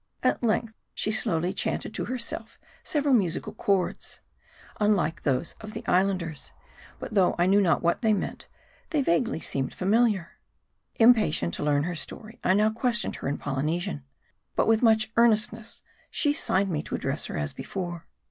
At length she slowly chanted to herself several musical words, unlike those of the Islanders ; but though I knew not what they meant, they vaguely seemed familiar. Impatient to learn her story, I now questioned her in Polynesian. But with much earnestness, she signed me to address her as before.